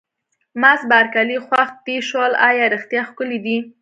مس بارکلي: خوښ دې شول، ایا رښتیا ښکلي دي؟